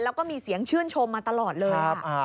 แล้วก็มีเสียงชื่นชมมาตลอดเลย